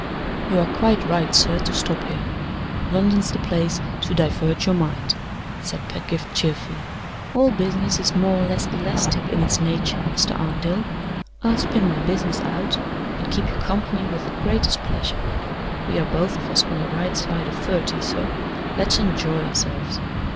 "You are quite right, sir, to stop here; London's the place to divert your mind," said Pedgift, cheerfully. "All business is more or less elastic in its nature, Mr. Armadale; I'll spin my business out, and keep you company with the greatest pleasure. We are both of us on the right side of thirty, sir; let's enjoy ourselves.